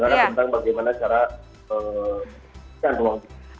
untuk melakukan edukasi kepada masyarakat tentang bagaimana cara